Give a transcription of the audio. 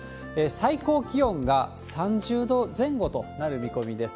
最高気温が３０度前後となる見込みです。